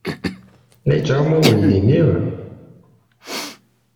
La yettɛumu uydi-nni?